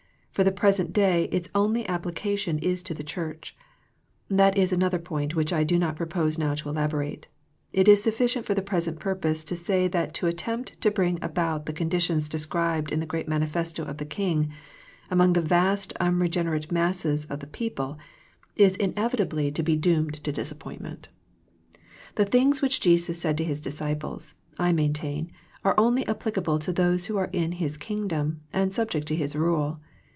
For the present day its only application is to the Church. That is another point which I do not propose now to elaborate. It is sufiicient for the present purpose to say that to attempt to bring about the conditions described in the great Manifesto of the King among the vast unregen erate masses of the people is inevitably to be THE PLANE OF PEAYER 65 doomed to disappointment. The things which Jesus said to His disciples, I maintain, are only applicable to those who are in His Kingdom and subject to His rule.